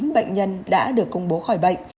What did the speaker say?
chín bệnh nhân đã được công bố khỏi bệnh